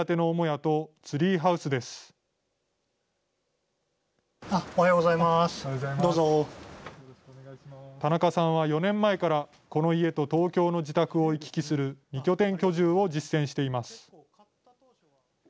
おはようございます、田中さんは４年前から、この家と東京の自宅を行き来する２拠点居住を実践しています。